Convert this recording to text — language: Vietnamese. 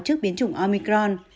trước biến chủng omicron